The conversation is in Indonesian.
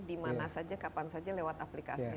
dimana saja kapan saja lewat aplikasinya